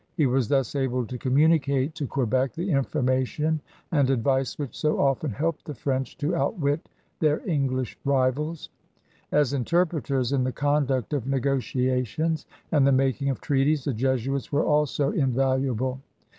He was thus able to communicate to Quebec the information and advice which so often helped the French to outwit their English rivals. As interpreters in the conduct of negotiations and the making of treaties the Jesuits were also in valuable.